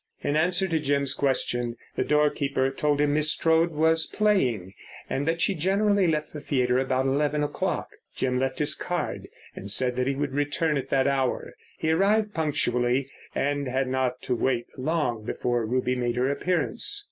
In answer to Jim's question the doorkeeper told him Miss Strode was playing, and that she generally left the theatre about eleven o'clock. Jim left his card, and said he would return at that hour. He arrived punctually, and had not to wait long before Ruby made her appearance.